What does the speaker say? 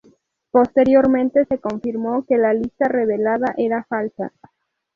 Posteriormente se confirmó que la lista revelada era falsa.